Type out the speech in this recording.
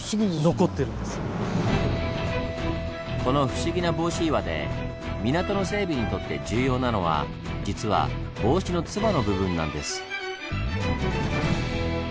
この不思議な帽子岩で港の整備にとって重要なのは実は帽子のつばの部分なんです。